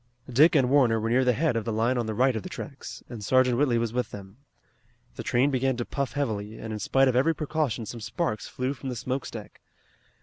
Dick and Warner were near the head of the line on the right of the tracks, and Sergeant Whitley was with them. The train began to puff heavily, and in spite of every precaution some sparks flew from the smoke stack.